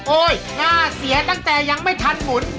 หน้าเสียตั้งแต่ยังไม่ทันหมุน